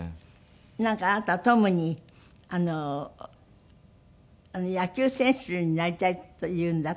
なんかあなたはトムにあの野球選手になりたいという夢を話した？